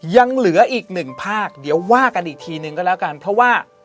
ยังเหลืออีกหนึ่งภาคเดี๋ยวว่ากันอีกทีนึงก็แล้วกันเพราะว่า